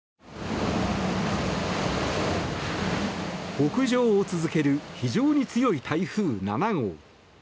北上を続ける非常に強い台風７号。